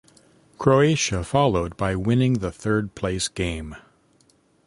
Croatia followed by winning the third place game.